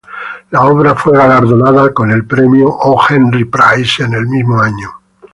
La obra fue galardonada con el premio O. Henry Prize en el mismo año.